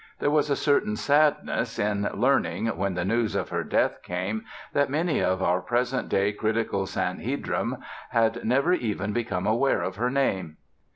There was a certain sadness in learning, when the news of her death came, that many of our present day critical Sanhedrim had never even become aware of her name.